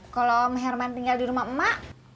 kalau om herman tinggal di rumah emak